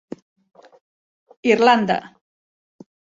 Irlanda.